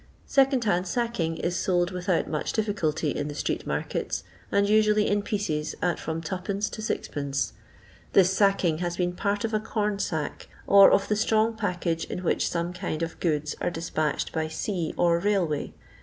Seeond'Kand Sacking is sold without much dif ficulty in the street markets, and usually in pieces at from 2d, to Qd. This sacking has been part of a com sack, or of the strong package in which some kinds of goods are dispatched by sea or rsilway.